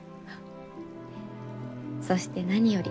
そして何より。